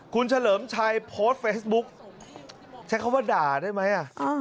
คุณเฉลิมชัยโพสต์เฟซบุ๊กใช้คำว่าด่าได้ไหม